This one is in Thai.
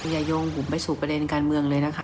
อย่ายงผมไปสู่ประเด็นการเมืองเลยนะคะ